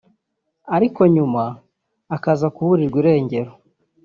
ariko nyuma akaza kuburirwa irengero